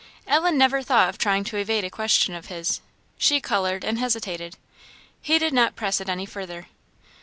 Ellen never thought of trying to evade a question of his. She coloured and hesitated. He did not press it any further.